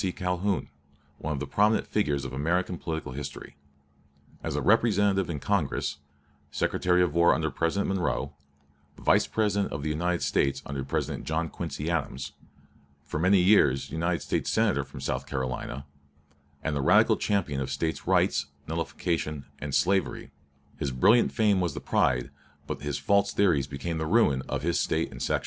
Calhoun, one of the prominent figures of American political history. As representative in Congress, Secretary of War under President Monroe, Vice President of the United States under President John Quincy Adams, for many years United States Senator from South Carolina, and the radical champion of States Rights, Nullification, and Slavery, his brilliant fame was the pride, but his false theories became the ruin, of his State and section.